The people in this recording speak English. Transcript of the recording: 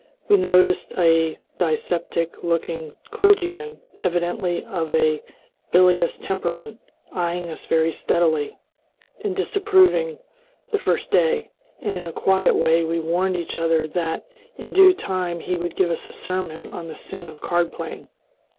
We noticed a dyspeptic looking clergyman, evidently of a bilious temperament, eying us very steadily and disapprovingly the first day, and in a quiet way we warned each other that, in due time, he would give us a sermon on the sin of card playing.